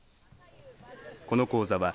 この講座は